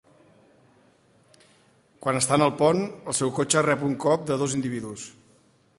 Quan està en el pont, el seu cotxe rep un cop de dos individus.